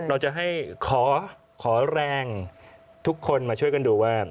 เราจะให้ขอแรงทุกคนมาช่วยกันดูว่า